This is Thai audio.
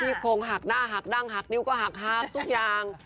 โครงหักหน้าหักดั้งหักนิ้วก็หักหักทุกอย่าง